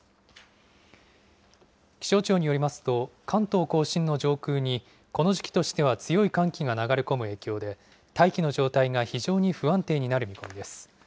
気象庁によりますと、関東甲信の上空にこの時期としては強い寒気が流れ込む影響で、大気の状態が非常に不安定になる見込みです。